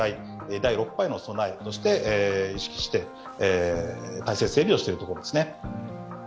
第６波への備えとして意識して体制整備をしているところです。